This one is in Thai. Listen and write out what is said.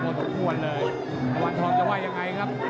โปรดข้วนเลยวานทองจะไหว้ยังไงครับ